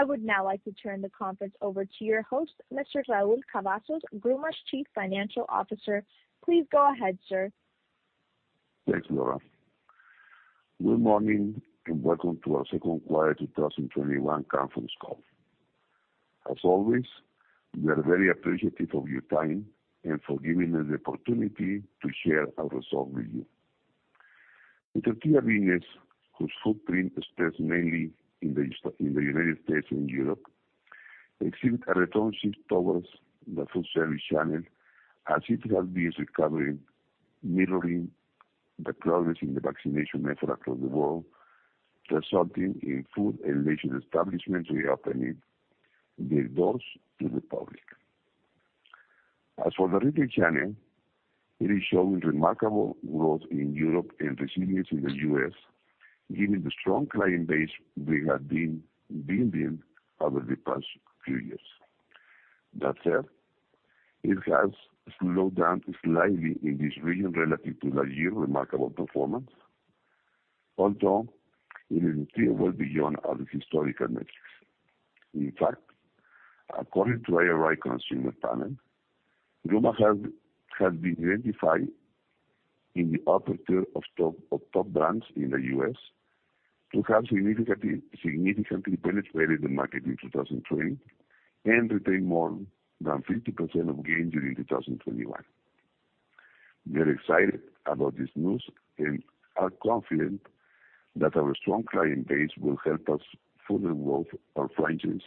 I would now like to turn the conference over to your host, Mr. Raul Cavazos, Gruma's Chief Financial Officer. Please go ahead, sir. Thanks, Laura. Good morning, and welcome to our second quarter 2021 conference call. As always, we are very appreciative of your time and for giving us the opportunity to share our results with you. The tortilla business, whose footprint is based mainly in the United States and Europe, has seen a return shift towards the food service channel as it has been recovering, mirroring the progress in the vaccination effort across the world, resulting in food and leisure establishments reopening their doors to the public. As for the retail channel, it is showing remarkable growth in Europe and resilience in the U.S., given the strong client base we have been building over the past few years. That said, it has slowed down slightly in this region relative to last year's remarkable performance, although it is still well beyond our historical metrics. In fact, according to IRI Consumer Panel, Gruma has been identified in the upper tier of top brands in the U.S. to have significantly penetrated the market in 2020 and retain more than 50% of gains in 2021. We are excited about this news and are confident that our strong client base will help us further grow our franchises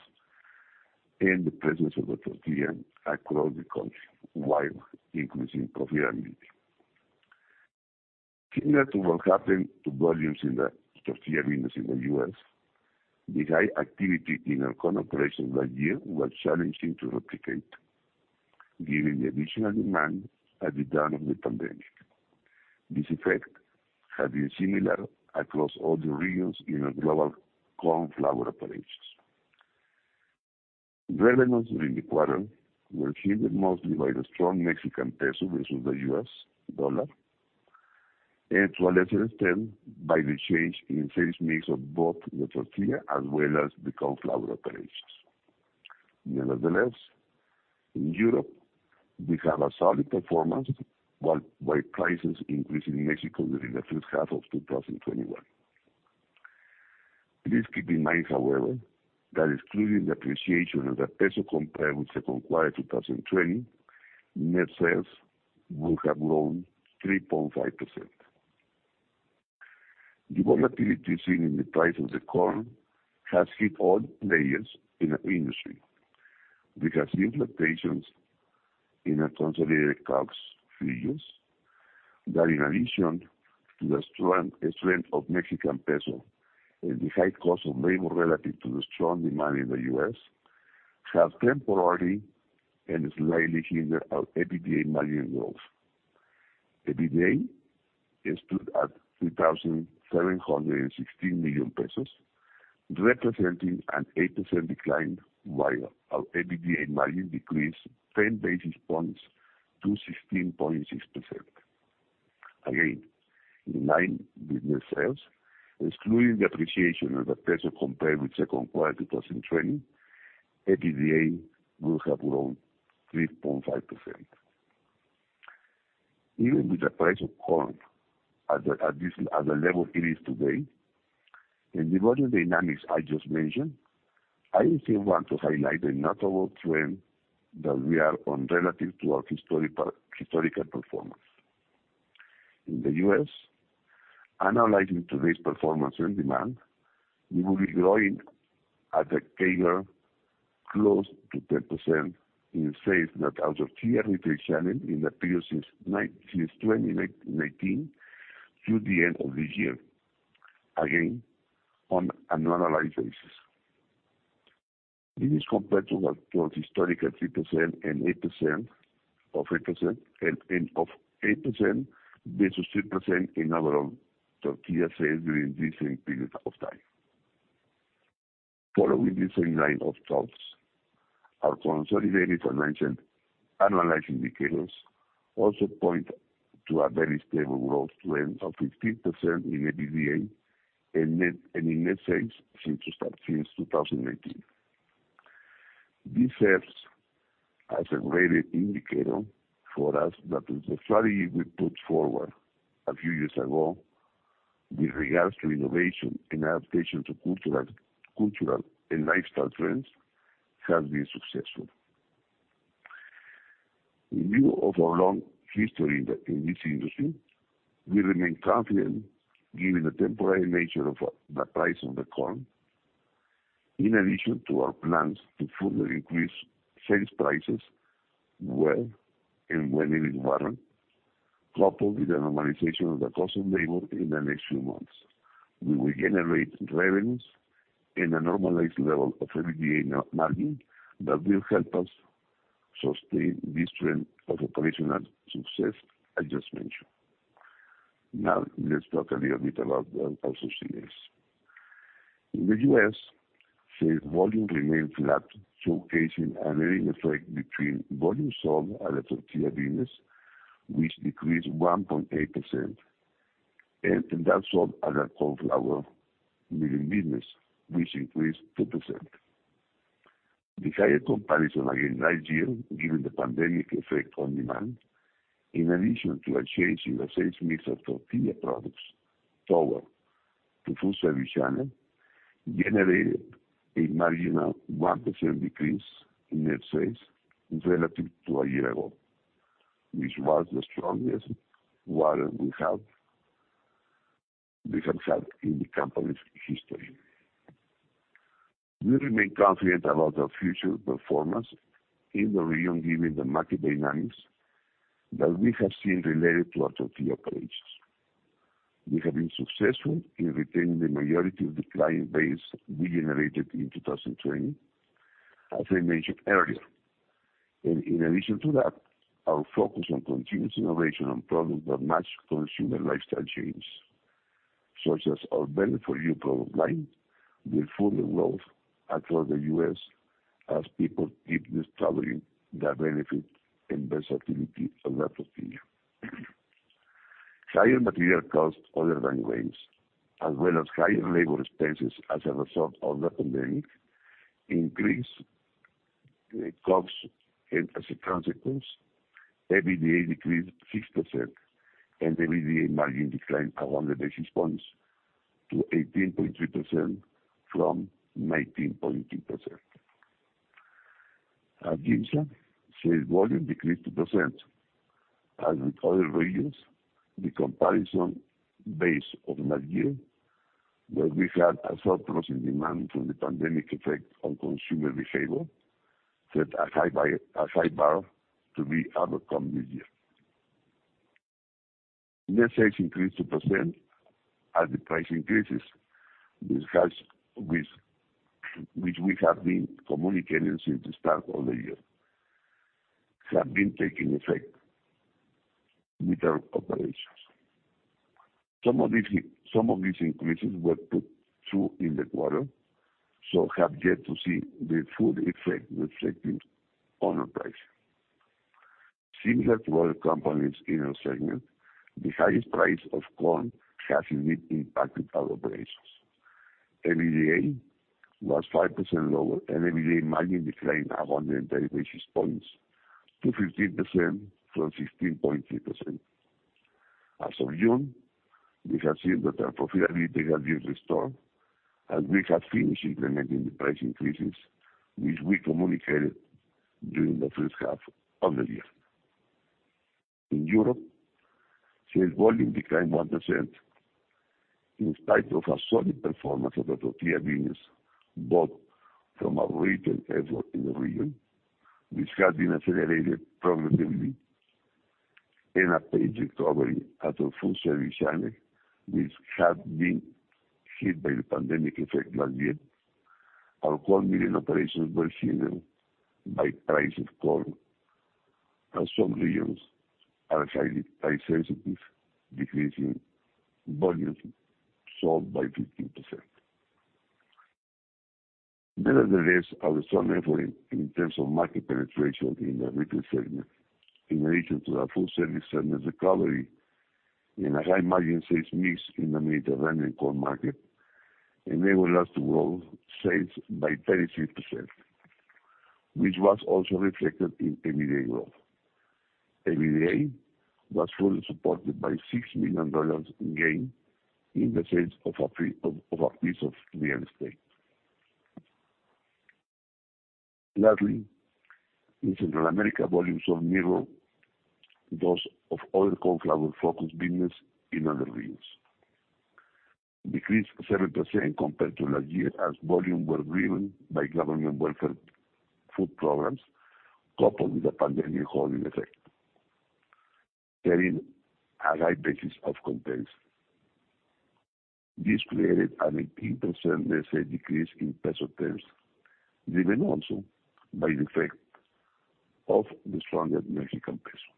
and the presence of the tortilla across the country while increasing profitability. Similar to what happened to volumes in the tortilla business in the U.S., the high activity in our corn operations last year was challenging to replicate given the additional demand at the dawn of the pandemic. This effect has been similar across all the regions in our global corn flour operations. Revenues during the quarter were hindered mostly by the strong Mexican peso versus the U.S. dollar, and to a lesser extent, by the change in sales mix of both the tortilla as well as the corn flour operations. Nevertheless, in Europe, we have a solid performance, while prices increased in Mexico during the first half of 2021. Please keep in mind, however, that excluding the appreciation of the peso compared with the second quarter of 2020, net sales would have grown 3.5%. The volatility seen in the price of the corn has hit all players in our industry. We have seen fluctuations in our consolidated COGS figures that, in addition to the strength of Mexican peso and the high cost of labor relative to the strong demand in the U.S., have temporarily and slightly hindered our EBITDA margin growth. EBITDA stood at 3,716 million pesos, representing an 8% decline, while our EBITDA margin decreased 10 basis points to 16.6%. Again, in line with net sales, excluding the appreciation of the peso compared with the second quarter of 2020, EBITDA would have grown 3.5%. Even with the price of corn at the level it is today and the volume dynamics I just mentioned, I still want to highlight the notable trend that we are on relative to our historical performance. In the U.S., analyzing today's performance and demand, we will be growing at a CAGR close to 10% in sales at our tortilla retail channel in the period since 2019 through the end of this year, again, on an annualized basis. This is compared to our historical 3% and 8% versus 3% in overall tortilla sales during the same period of time. Following the same line of thoughts, our consolidated financial annualized indicators also point to a very stable growth trend of 15% in EBITDA and in net sales since 2019. This serves as a great indicator for us that the strategy we put forward a few years ago with regards to innovation and adaptation to cultural and lifestyle trends has been successful. In view of our long history in this industry, we remain confident given the temporary nature of the price of the corn. In addition to our plans to further increase sales prices where and when it is warranted, coupled with the normalization of the cost of labor in the next few months, we will generate revenues and a normalized level of EBITDA margin that will help us sustain this trend of operational success I just mentioned. Let's talk a little bit about our subsidiaries. In the U.S., sales volume remained flat, showcasing a leading effect between volumes sold at the tortilla business, which decreased 1.8%. That saw our corn flour milling business, which increased 2%. The higher comparison against last year, given the pandemic effect on demand, in addition to a change in the sales mix of tortilla products toward the food service channel, generated a marginal 1% decrease in net sales relative to a year ago, which was the strongest quarter we have had in the company's history. We remain confident about our future performance in the region given the market dynamics that we have seen related to our tortilla operations. We have been successful in retaining the majority of the client base we generated in 2020, as I mentioned earlier. In addition to that, our focus on continuous innovation on products that match consumer lifestyle changes, such as our Better For You product line, will further growth across the U.S. as people keep discovering the benefit and versatility of that tortilla. Higher material costs other than grains, as well as higher labor expenses as a result of the pandemic, increased costs, and as a consequence, EBITDA decreased 6%, and the EBITDA margin declined 100 basis points to 18.3% from 19.3%. At GIMSA, sales volume decreased 2%. As with other regions, the comparison base of last year, where we had a sharp drop in demand from the pandemic effect on consumer behavior, set a high bar to be overcome this year. Net sales increased 2% as the price increases, which we have been communicating since the start of the year, have been taking effect with our operations. Some of these increases were put through in the quarter, so have yet to see the full effect reflecting on our price. Similar to other companies in our segment, the highest price of corn has indeed impacted our operations. EBITDA was 5% lower, and EBITDA margin declined 130 basis points to 15% from 16.3%. As of June, we have seen that our profitability has been restored, and we have finished implementing the price increases which we communicated during the first half of the year. In Europe, sales volume declined 1%, in spite of a solid performance of the tortilla business, both from our retail effort in the region, which has been accelerated progressively, and our pace recovery at our food service channel, which had been hit by the pandemic effect last year. Our corn milling operations were hindered by price of corn. Some regions are highly price-sensitive, decreasing volumes sold by 15%. Nevertheless, our strong effort in terms of market penetration in the retail segment, in addition to our food service segment recovery and a high-margin sales mix in the Mediterranean corn market, enabled us to grow sales by 36%, which was also reflected in EBITDA growth. EBITDA was fully supported by MXN 6 million in gain in the sales of a piece of real estate. Lastly, in Central America, volumes sold mirrored those of other corn flour-focused business in other regions. Decreased 7% compared to last year as volume were driven by government welfare food programs, coupled with the pandemic holding effect, setting a high basis of comparison. This created an 18% net sales decrease in peso terms, driven also by the effect of the stronger Mexican peso.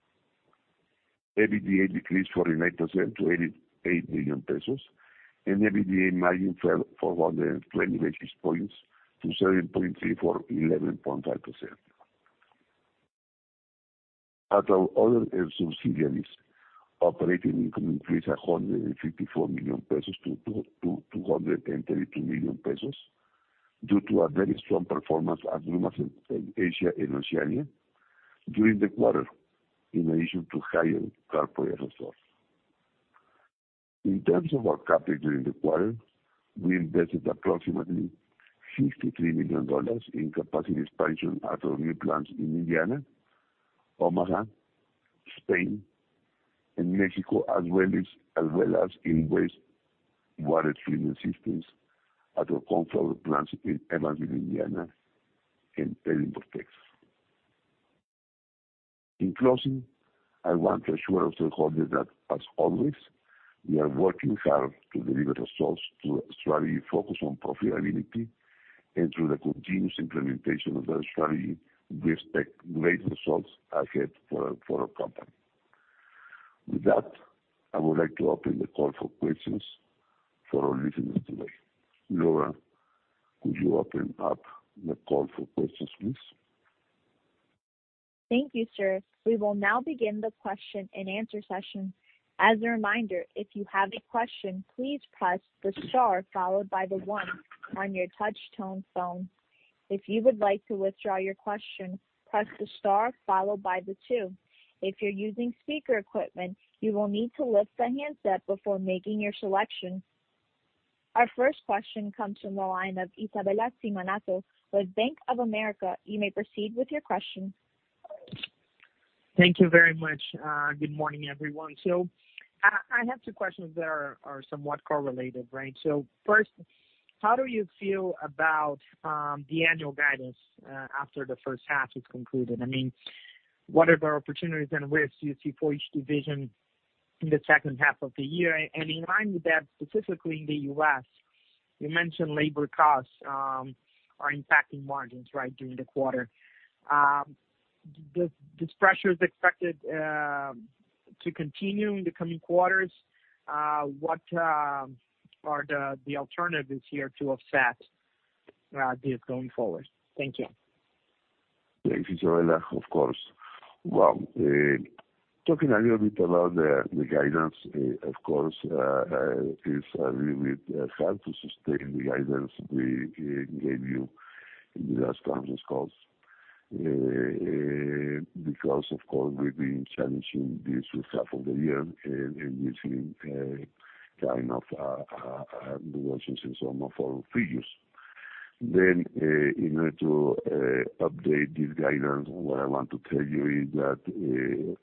EBITDA decreased 49% to 88 million pesos, and the EBITDA margin fell 420 basis points to 7.3% from 11.5%. At our other subsidiaries, operating income increased 154 million pesos to 232 million pesos due to a very strong performance at Gruma Asia and Oceania during the quarter, in addition to higher CapEx resources. In terms of our CapEx during the quarter, we invested approximately $53 million in capacity expansion at our new plants in Indiana, Omaha, Spain, and Mexico, as well as in wastewater treatment systems at our corn flour plants in Evansville, Indiana, and Edinburg, Texas. In closing, I want to assure our shareholders that as always, we are working hard to deliver results through a strategy focused on profitability, and through the continuous implementation of that strategy, we expect great results ahead for our company. With that, I would like to open the call for questions for our listeners today. Laura, could you open up the call for questions, please? Thank you, sir. We will now begin the question and answer session. As a reminder, if you have a question, please press the star followed by the one on your touch tone phone. If you would like to withdraw your question, press the star followed by the two. If you're using speaker equipment, you will need to lift the handset before making your selection. Our first question comes from the line of Isabella Simonato with Bank of America. You may proceed with your question. Thank you very much. Good morning, everyone. I have two questions that are somewhat correlated, right? First, how do you feel about the annual guidance after the first half is concluded? I mean, what are the opportunities and risks you see for each division in the second half of the year? In line with that, specifically in the U.S., you mentioned labor costs are impacting margins during the quarter. This pressure is expected to continue in the coming quarters. What are the alternatives here to offset this going forward? Thank you. Thank you, Isabella. Of course. Well, talking a little bit about the guidance, of course, it's a little bit hard to sustain the guidance we gave you in the last conference calls. Of course, we've been challenging this first half of the year and you've seen a kind of reductions in some of our figures. In order to update this guidance, what I want to tell you is that in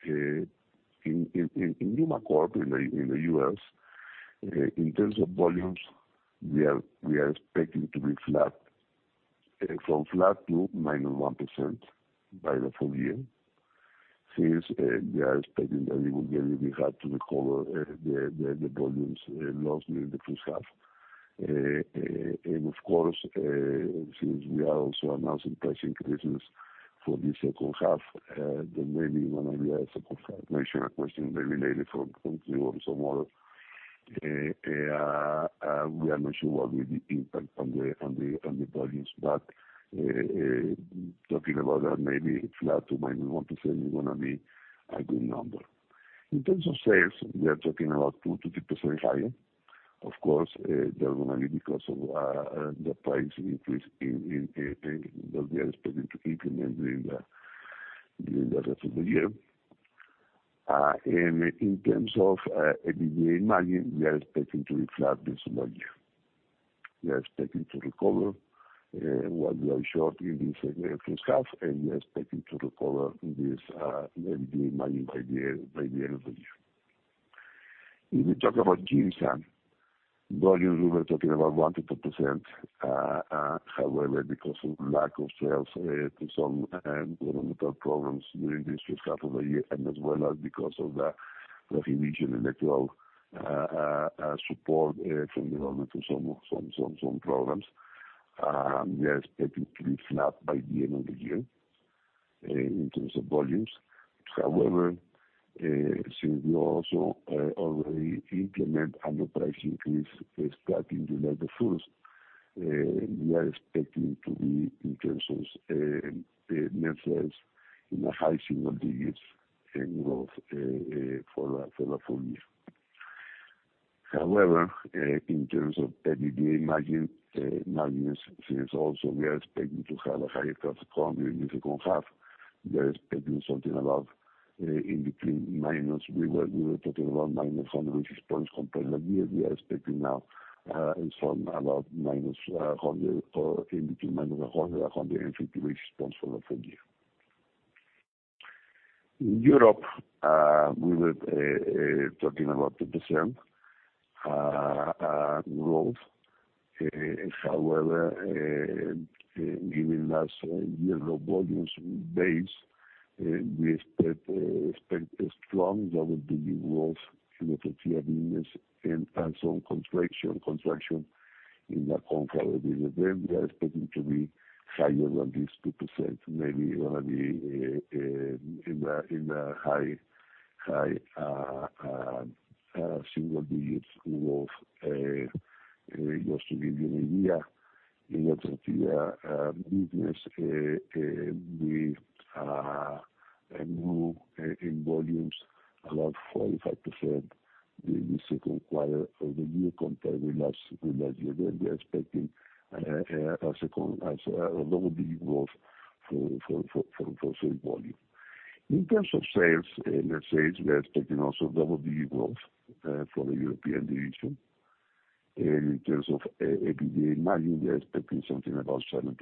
Gruma Corp in the U.S., in terms of volumes, we are expecting to be flat. From flat to minus 1% by the full -year. We are expecting that it will be really hard to recover the volumes lost during the first half. Of course, since we are also announcing price increases for the second half, there may be another support. Not sure a question may be related from you or some other. We are not sure what will be the impact on the volumes, but talking about that maybe flat to -1% is going to be a good number. In terms of sales, we are talking about 2%-3% higher. Of course, that will be because of the price increase that we are expecting to implement during the rest of the year. In terms of EBITDA margin, we are expecting to be flat this whole year. We are expecting to recover what we are short in this first half, and we are expecting to recover this EBITDA margin by the end of the year. If we talk about GIMSA, volumes we were talking about 1% to 2%, however, because of lack of sales to some governmental programs during this first half of the year, and as well as because of the revision in the growth support from the government for some programs. We are expecting to be flat by the end of the year in terms of volumes. Since we also already implement another price increase starting July the 1st, we are expecting to be in terms of net sales in the high single digits in growth for the full- year. In terms of EBITDA margins, since also we are expecting to have a higher tax component in the second half, we are expecting something in between. We were talking about minus 100 basis points compared last year. We are expecting now in between -100, -150 basis points for the full- year. In Europe, we were talking about 2% growth. Given last year low volumes base, we expect a strong double-digit growth in the tortilla business and also contraction in the corn flour business. We are expecting to be higher than this 2%, maybe going to be in the high single-digits growth. Just to give you an idea, in the tortilla business we grew in volumes about 45% during the second quarter of the year compared with last year. We are expecting a double-digit growth for same volume. In terms of net sales, we are expecting also double-digit growth for the European division. In terms of EBITDA margin, we are expecting something about 7%,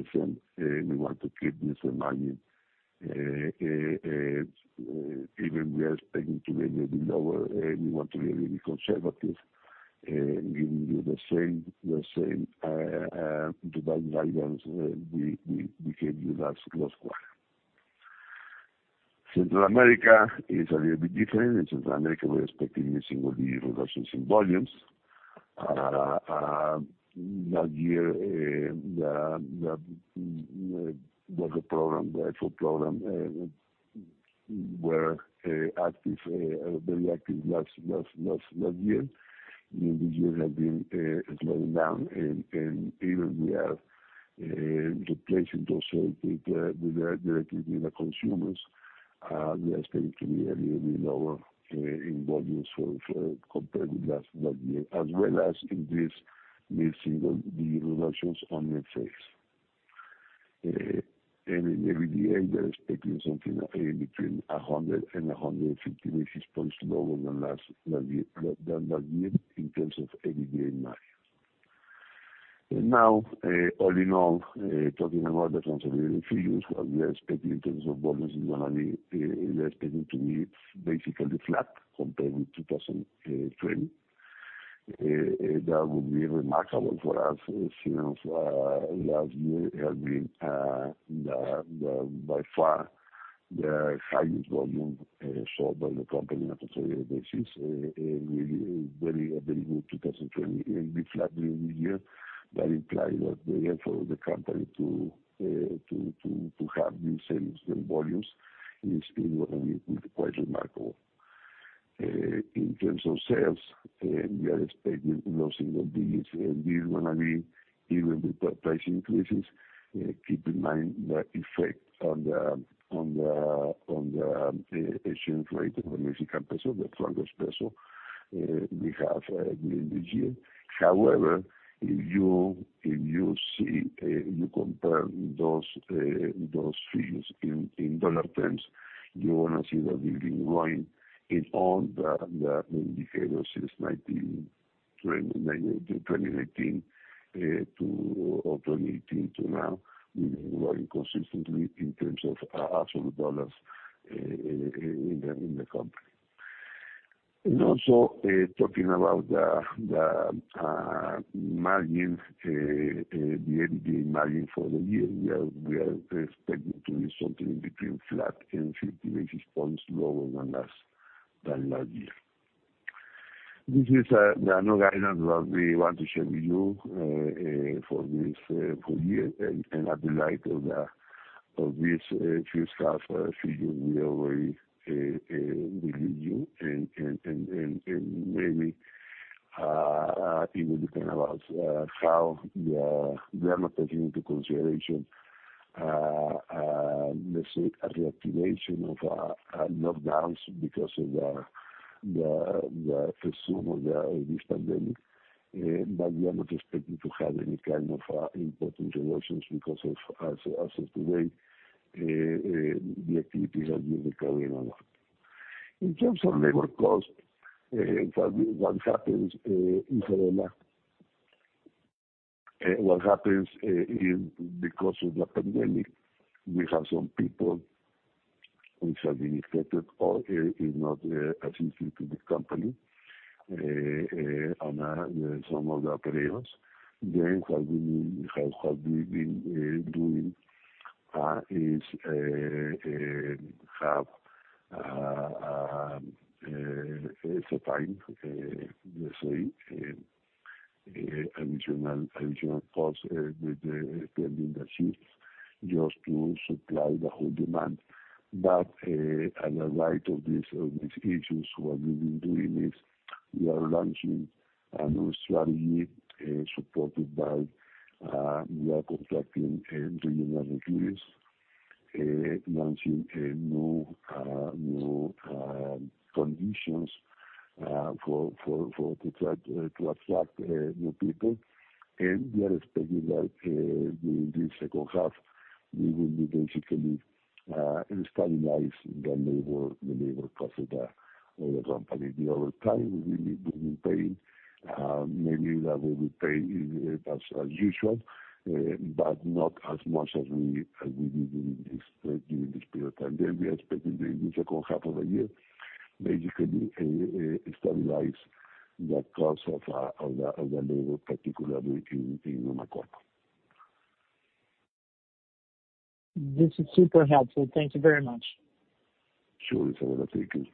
and we want to keep this margin. We are expecting to be a little bit lower, we want to be a little bit conservative, giving you the same guidance we gave you last quarter. Central America is a little bit different. In Central America, we are expecting a single-digit reduction in volumes. Last year there was a program, the actual program were very active last year. This year has been slowing down, even we are replacing those sales with the direct consumer, we are expecting to be a little bit lower in volumes compared with last year, as well as in this mid-single digit reductions on net sales. In EBITDA, we are expecting something between 100 and 150 basis points lower than last year in terms of EBITDA margin. Now, all in all, talking about the consolidated figures, what we are expecting in terms of volumes is going to be basically flat compared with 2020. That would be remarkable for us since last year has been by far the highest volume sold by the company. After this is a very good 2020. It'll be flat during the year. That implies that the effort of the company to have new sales volumes is quite remarkable. In terms of sales, we are expecting low single digits. This is going to be even with price increases. Keep in mind the effect on the exchange rate of the Mexican peso, the strongest peso we have during this year. If you compare those figures in dollar terms, you're going to see that we've been growing in all the indicators since 2019 or 2018 to now. We've been growing consistently in terms of absolute dollars in the company. Talking about the margins, the EBITDA margin for the year, we are expecting to be something between flat and 50 basis points lower than last year. This is the only guidance that we want to share with you for this full- year. At the light of these first half figures, we already believe you, and maybe it will depend about how we are not taking into consideration, let's say, a reactivation of lockdowns because of the resume of this pandemic. We are not expecting to have any kind of important reductions because as of today, the activities are being recovered. In terms of labor cost, what happens because of the pandemic, we have some people which have been infected or is not assisting to the company on some of the areas. What we've been doing is have a certain, let's say, additional cost with the pending shifts just to supply the whole demand. As a right of these issues, what we've been doing is we are launching a new strategy supported by we are contacting regional authorities, launching new conditions to attract new people. We are expecting that during this second half, we will be basically stabilize the labor cost of the company. The overtime we've been paying, maybe that we will pay as usual but not as much as we did during this period of time. We are expecting that in the second half of the year, basically stabilize the cost of the labor, particularly in Gruma Corp. This is super helpful. Thank you very much. Sure, it's all right, thank you.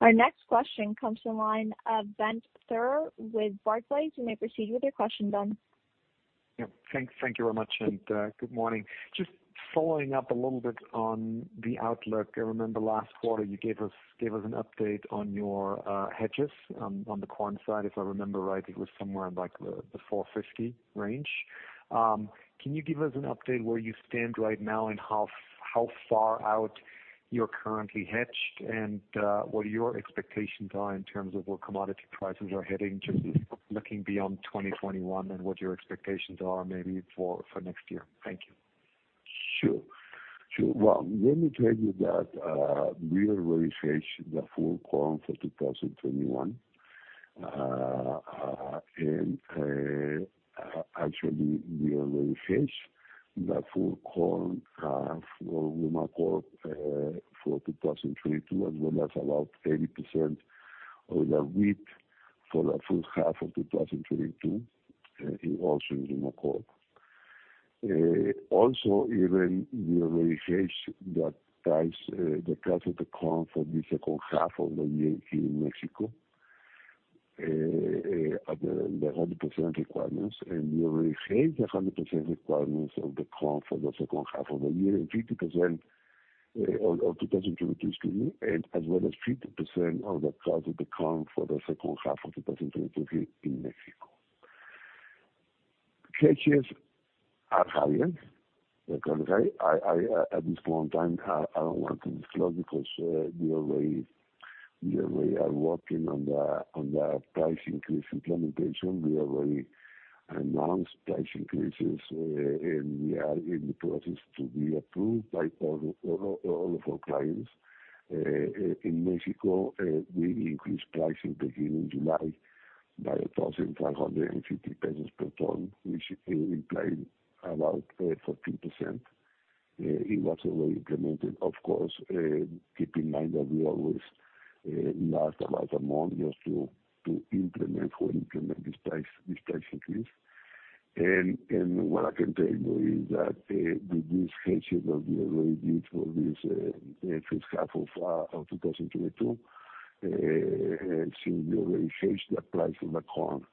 Our next question comes to the line of Benjamin Theurer with Barclays. You may proceed with your question, Ben. Yeah. Thank you very much, and good morning. Just following up a little bit on the outlook. I remember last quarter you gave us an update on your hedges on the corn side, if I remember right, it was somewhere in the 450 range. Can you give us an update where you stand right now and how far out you're currently hedged and what your expectations are in terms of where commodity prices are heading, just looking beyond 2021 and what your expectations are maybe for next year? Thank you. Sure. Well, let me tell you that we already hedged the full corn for 2021. Actually, we already hedged the full corn for Grumaco for 2022, as well as about 80% of the wheat for the full half of 2022, also in Grumaco. Even we already hedged the price, the cost of the corn for the second half of the year here in Mexico. At the 100% requirements, we already have the 100% requirements of the corn for the second half of the year and 50% of 2023, excuse me, as well as 50% of the cost of the corn for the second half of 2023 in Mexico. Hedges are higher, they're going high. At this point in time, I don't want to disclose because we already are working on the price increase implementation. We already announced price increases. We are in the process to be approved by all of our clients. In Mexico, we increased pricing beginning July by 1,550 pesos per ton, which implied about 14%. It was already implemented. Of course, keep in mind that we always ask a month just to implement this price increase. What I can tell you is that with this hedging that we already did for this first half of 2022, since we already hedged the price of the corn,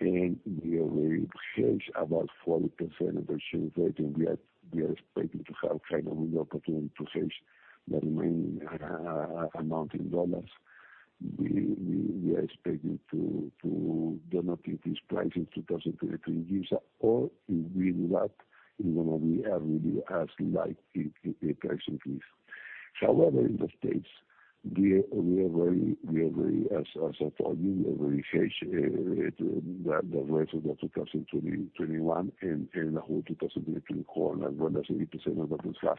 and we already hedged about 40% of the sugar that we are expecting to have finally the opportunity to hedge the remaining amount in USD. We are expecting to denote these prices 2023 gives, or if we do that, it's going to be as light a price increase. However, in the U.S., as I told you, we already hedged the rest of the 2021 and the whole 2022 corn, as well as 80% of the first half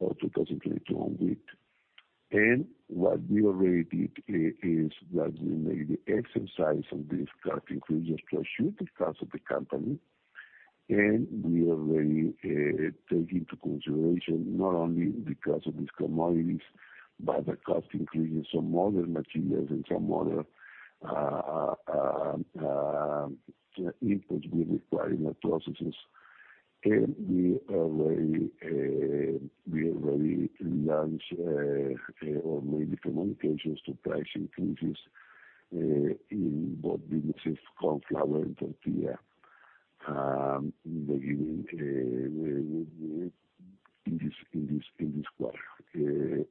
of 2023 on wheat. What we already did is that we made the exercise of these cost increases to assure the cost of the company, we already take into consideration not only the cost of these commodities, but the cost increase in some other materials and some other inputs we require in the processes. We already launched or made the communications to price increases in both businesses, corn flour and tortilla, in this quarter.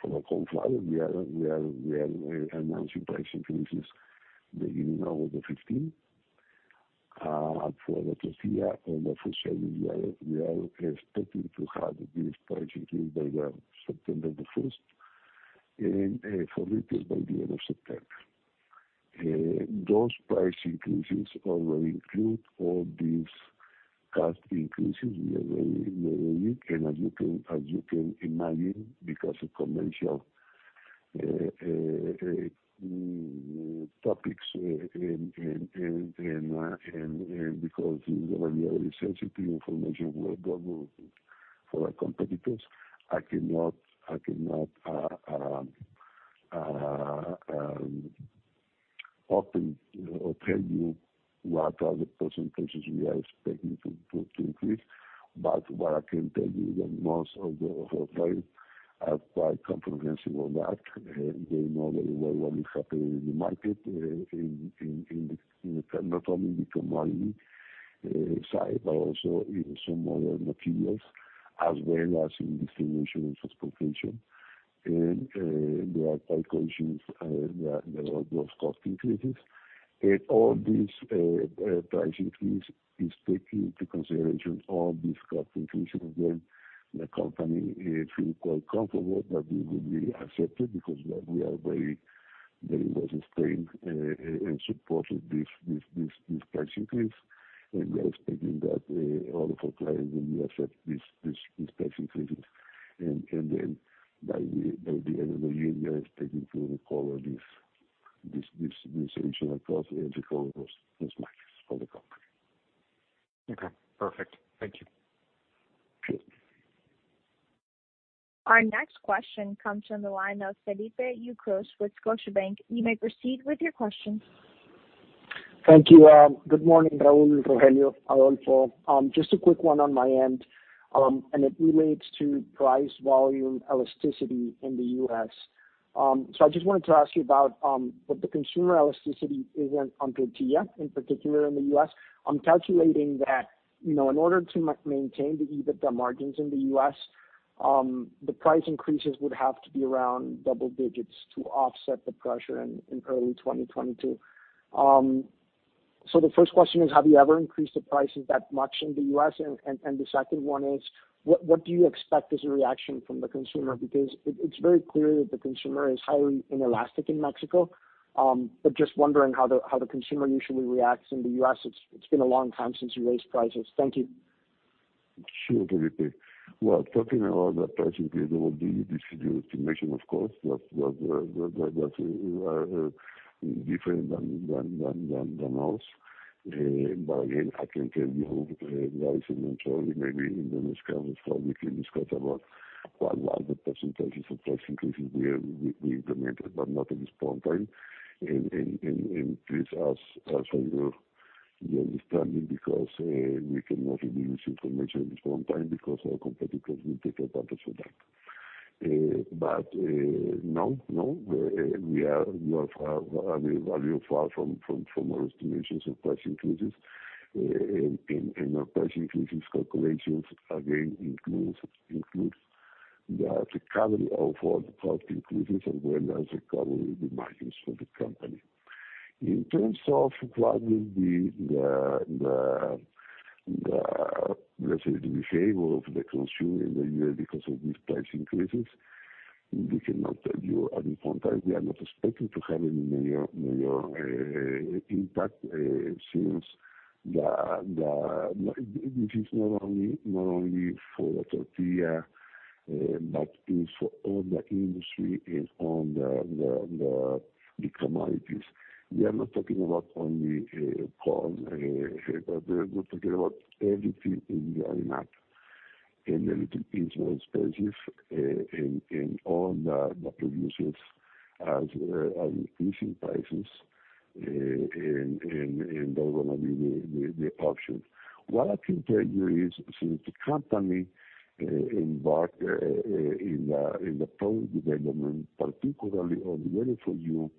For corn flour, we are announcing price increases beginning August 15. For the tortilla and the fresh segment, we are expecting to have this price increase by September 1st, and for retail by the end of September. Those price increases already include all these cost increases. As you can imagine, because of commercial topics and because we are sensitive to information available for our competitors, I cannot open or tell you what are the percentages we are expecting to increase. What I can tell you is that most of our clients are quite comprehensive of that. They know very well what is happening in the market, not only in the commodity side, but also in some other materials, as well as in distribution and transportation. They are quite conscious of those cost increases. All these price increase is taking into consideration all these cost increases. When the company feel quite comfortable that they will be accepted because we are very much sustained and supported this price increase. We are expecting that all of our clients will accept these price increases. By the end of the year, we are expecting to recover this additional cost and recover those margins for the company. Okay, perfect. Thank you. Sure. Our next question comes from the line of Felipe Ucros with Scotiabank. You may proceed with your question. Thank you. Good morning, Raul, Rogelio, Adolfo. Just a quick one on my end, and it relates to price volume elasticity in the U.S. I just wanted to ask you about what the consumer elasticity is on tortilla, in particular in the U.S. I'm calculating that in order to maintain the EBITDA margins in the U.S., the price increases would have to be around double digits to offset the pressure in early 2022. The first question is, have you ever increased the prices that much in the U.S.? The second one is, what do you expect as a reaction from the consumer? Because it's very clear that the consumer is highly inelastic in Mexico, just wondering how the consumer usually reacts in the U.S. It's been a long time since you raised prices. Thank you. Sure, Felipe. Well, talking about that price increase, it would be your estimation, of course, that you are different than us. Again, I can tell you, we are evaluating internally, maybe in the next conference call, we can discuss about what the percentages of price increases we implemented, but not at this point in time. We understand it because we cannot release information at this point in time because our competitors will take advantage of that. No, we are a little far from our estimations of price increases. Our price increases calculations, again, includes the recovery of all the cost increases as well as recovery margins for the company. In terms of what will be the, let's say, the behavior of the consumer in the U.S. because of these price increases, we cannot tell you at this point in time. We are not expecting to have any major impact since this is not only for tortilla, but is for all the industry and all the big commodities. We are not talking about only corn, we're talking about everything in the lineup. Everything is more expensive, all the producers are increasing prices, they're going to be the option. What I can tell you is, since the company embarked in the product development, particularly on the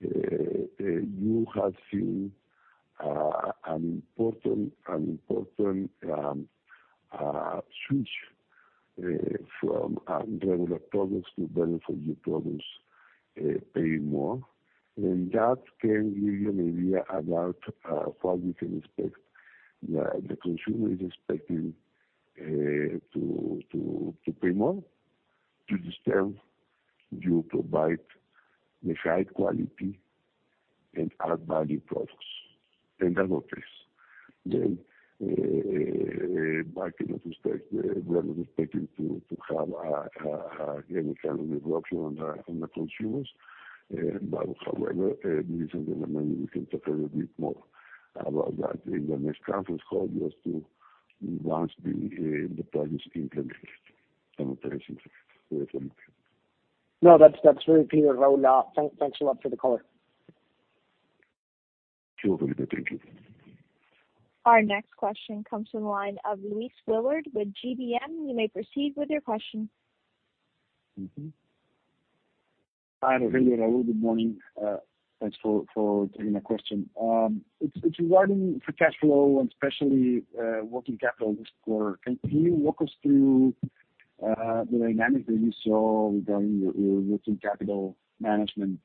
Better For You, you have seen an important switch from regular products to Better For You products, paying more. That can give you an idea about what we can expect. The consumer is expecting to pay more to the extent you provide the high quality and add value products. That's okay. We are not expecting to have any kind of disruption on the consumers. However, this is something that maybe we can talk a little bit more about that in the next conference call, just to launch the products implemented and operations with them. No, that's very clear, Raul. Thanks a lot for the color. Sure, Roberto. Thank you. Our next question comes from the line of Luis Willard with GBM. You may proceed with your question. Hi, Rogelio, Raul, good morning. Thanks for taking my question. It's regarding for cash flow and especially working capital this quarter. Can you walk us through the dynamic that you saw regarding your working capital management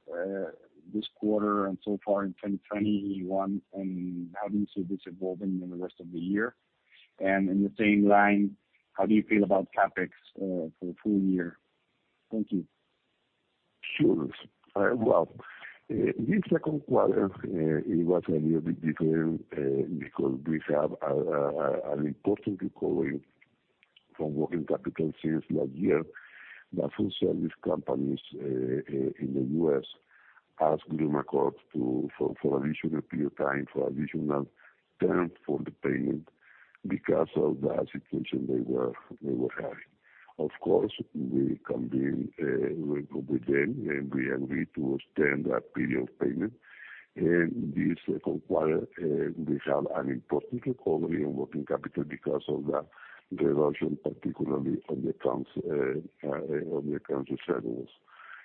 this quarter and so far in 2021, and how do you see this evolving in the rest of the year? In the same line, how do you feel about CapEx for the full- year? Thank you. Sure. This second quarter, it was a little bit different because we have an important recovery from working capital since last year, that food service companies in the U.S. asked Gruma Corp. for additional period time, for additional term for the payment because of the situation they were having. Of course, we convened with them, and we agreed to extend that period of payment. In this second quarter, we have an important recovery in working capital because of the reversion, particularly on the accounts receivables.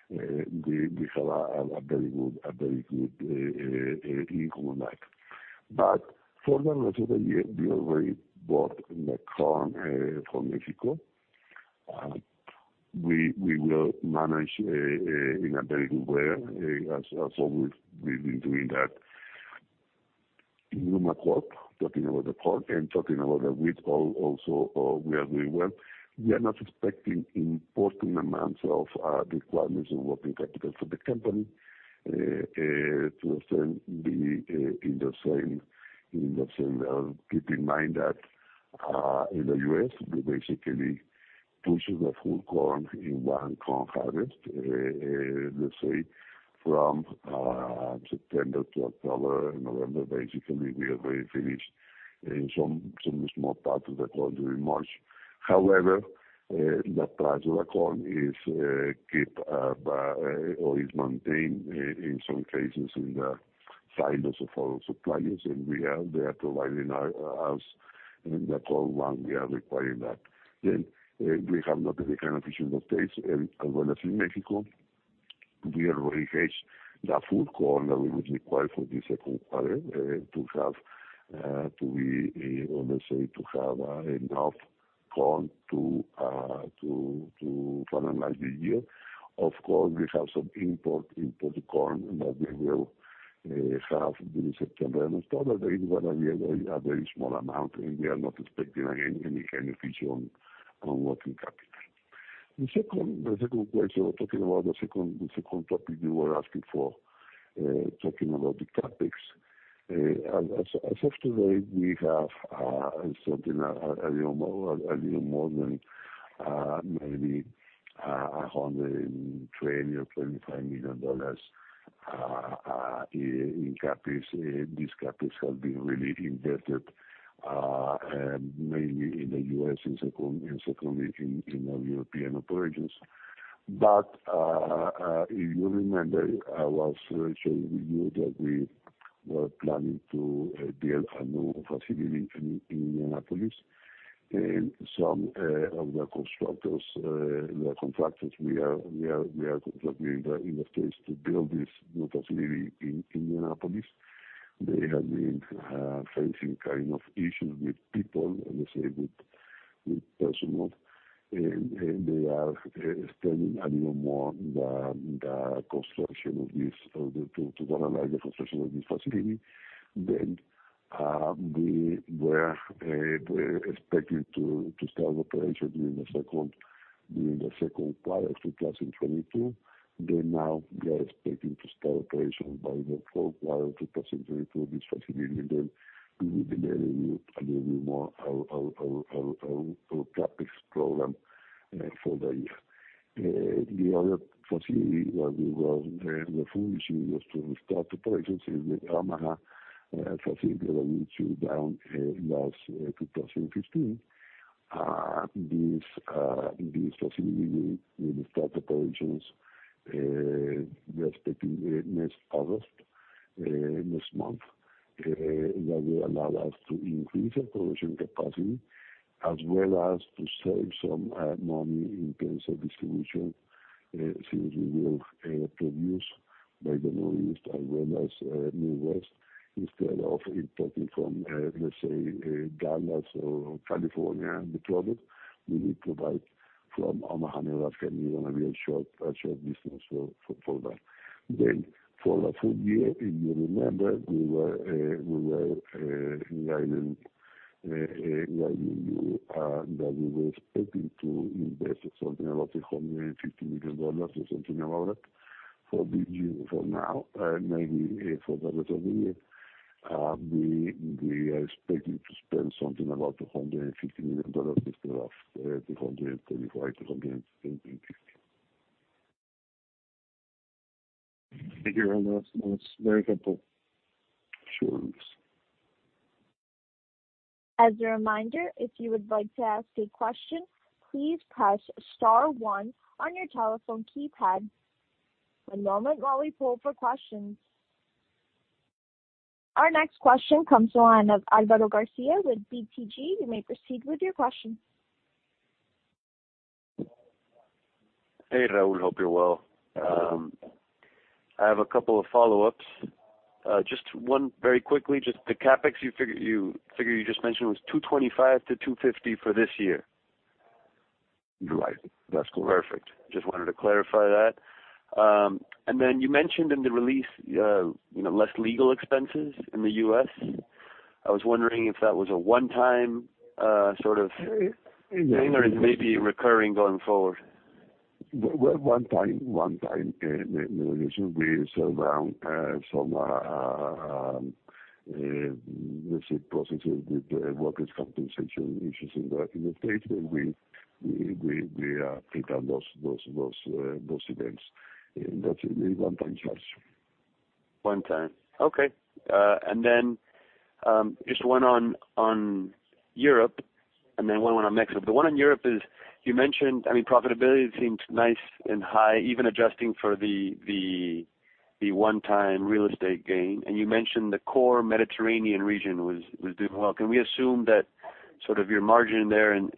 We have a very good income on that. For the rest of the year, we already bought the corn from Mexico. We will manage in a very good way, as always we've been doing that. Gruma Corp., talking about the corn and talking about the wheat also, we are doing well. We are not expecting important amounts of requirements of working capital for the company to extend in the same level. Keep in mind that in the U.S., we basically purchase the full corn in 1 corn harvest. Let's say from September to October, November, basically, we already finished some small parts of the corn during March. However, the price of the corn is maintained in some cases in the silos of our suppliers, and they are providing us the corn when we are requiring that. We have not any kind of issue in that case, and as well as in Mexico, we already hedged the full corn that we would require for this 2nd quarter to have enough corn to finalize the year. Of course, we have some import corn that we will have during September and October. It is going to be a very small amount, and we are not expecting any kind of issue on working capital. The second question, talking about the second topic you were asking for, talking about the CapEx. As of today, we have something a little more than maybe $120 or $125 million in CapEx. This CapEx has been really invested mainly in the U.S. and secondly in our European operations. If you remember, I was sharing with you that we were planning to build a new facility in Indianapolis. Some of the contractors we are in the case to build this new facility in Indianapolis, they have been facing kind of issues with people, let's say, with personnel. They are spending a little more than the construction of this, to finalize the construction of this facility. We were expecting to start operation during Q2 2022. Now we are expecting to start operation by Q4 2022, this facility. We will be letting you a little more our CapEx program for the year. The other facility where we were re-using was to start operations in the Omaha facility that we shut down in 2015. This facility will start operations, we are expecting next August, next month. That will allow us to increase our production capacity as well as to save some money in terms of distribution, since we will produce by the Northeast as well as Midwest. Instead of importing from, let's say, Dallas or California, the product will be provided from Omaha, Nebraska. It's going to be a short distance for that. For the full- year, if you remember, we were guiding you that we were expecting to invest something about $150 million or something about that. For now, maybe for the rest of the year, we are expecting to spend something about $250 million instead of $225 million-$250 million. Thank you, Raul. That's very helpful. Sure. As a reminder, if you would like to ask a question, please press star one on your telephone keypad. One moment while we poll for questions. Our next question comes to the line of Álvaro García with BTG. You may proceed with your question. Hey, Raul. Hope you're well. I have a couple of follow-ups. Just one very quickly, just the CapEx you figure you just mentioned was $225-$250 for this year. You're right. That's correct. Perfect. Just wanted to clarify that. You mentioned in the release, less legal expenses in the U.S. I was wondering if that was a one-time sort of thing or is maybe recurring going forward. One time. It should be around some, let's say, processes with workers' compensation issues in the state, and we are taking those events. That's a one-time charge. One time. Okay. Just one on Europe and then one on Mexico. The one on Europe is, you mentioned, profitability seems nice and high, even adjusting for the one-time real estate gain. You mentioned the core Mediterranean region was doing well. Can we assume that sort of your margin there in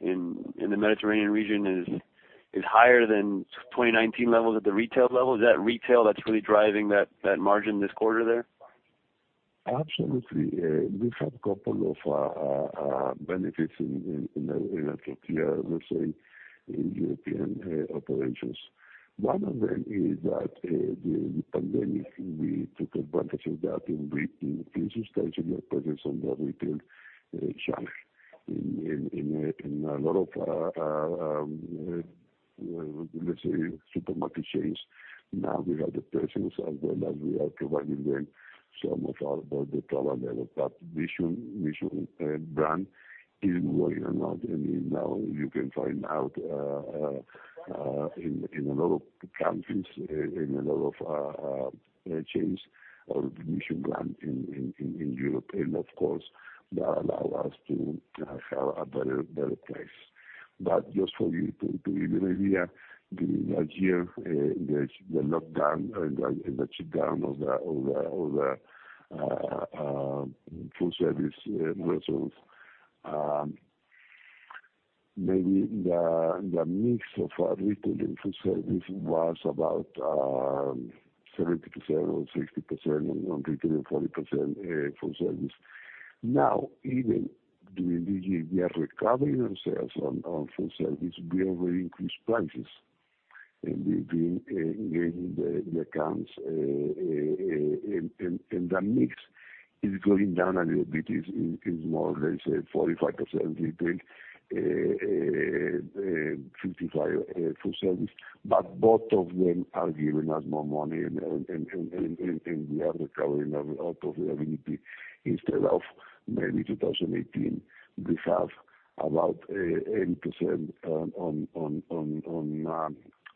the Mediterranean region is higher than 2019 levels at the retail level? Is that retail that's really driving that margin this quarter there? Absolutely. We've had a couple of benefits in that area, let's say, in European operations. One of them is that the pandemic, we took advantage of that in substantially our presence on the retail channel in a lot of, let's say, supermarket chains. Now we have the presence as well as we are providing them some of the private label, that Mission brand is going out. Now you can find out in a lot of countries, in a lot of chains, our Mission brand in Europe. Of course, that allow us to have a better place. Just for you to give you an idea, during that year, the lockdown and the shutdown of the food service business, maybe the mix of our retail and food service was about 70% or 60% on retail and 40% food service. Even during this year, we are recovering ourselves on food service. We already increased prices, we've been gaining the accounts, the mix is going down a little bit, is more or less 45% retail, 55% food service. Both of them are giving us more money and we are recovering a lot of the ability. Instead of maybe 2018, we have about 80%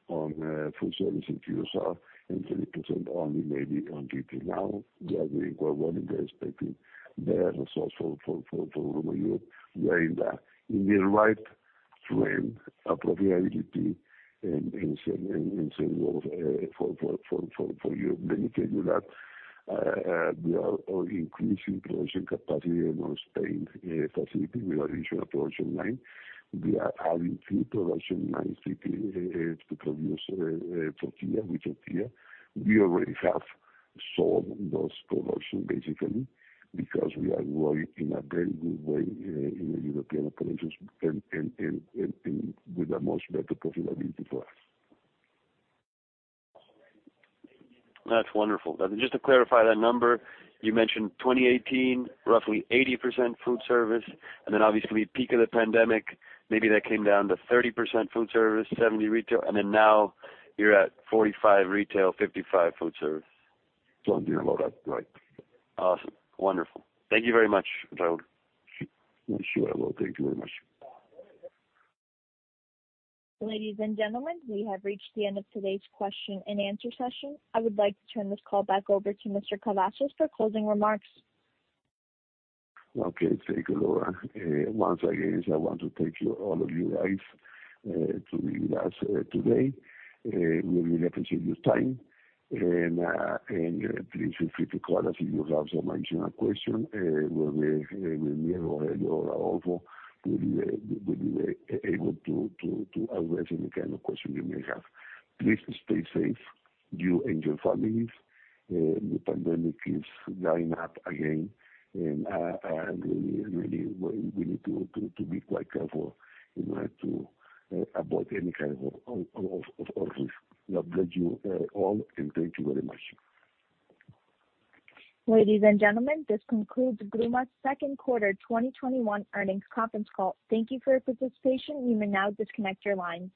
on food service if you have, 20% only maybe on retail. We are recovering and expecting better results for Europe. We are in the right trend of profitability in St. Louis for your benefit. We are increasing production capacity in our Spain facility with additional production line. We are adding two production lines to produce tortilla with tortilla. We already have sold those production basically because we are growing in a very good way in the European operations and with a much better profitability for us. That's wonderful. Just to clarify that number, you mentioned 2018, roughly 80% food service, and then obviously peak of the pandemic, maybe that came down to 30% food service, 70% retail, and then now you're at 45% retail, 55% food service. Something like that. Right. Awesome. Wonderful. Thank you very much, Raul. Sure. Thank you very much. Ladies and gentlemen, we have reached the end of today's question and answer session. I would like to turn this call back over to Mr. Cavazos for closing remarks. Okay. Thank you, Laura. Once again, I want to thank all of you guys to be with us today. We really appreciate your time. Please feel free to call us if you have some additional question, with me or Adolfo, we'll be able to address any kind of question you may have. Please stay safe, you and your families. The pandemic is going up again, and we need to be quite careful in order to avoid any kind of risk. God bless you all, and thank you very much. Ladies and gentlemen, this concludes Gruma's second quarter 2021 earnings conference call. Thank you for your participation. You may now disconnect your lines.